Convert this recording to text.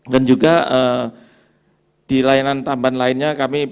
dan juga di layanan tambahan lainnya